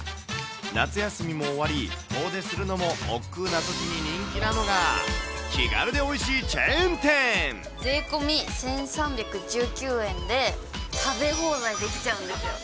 夏休みも終わり、遠出するのもおっくうなとき人気なのが、気軽でおいしいチェーン税込１３１９円で、食べ放題できちゃうんですよ。